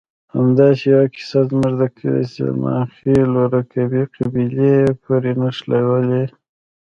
همداسې یوه کیسه زموږ د کلي سلیمانخېلو رقیبې قبیلې پورې نښلولې.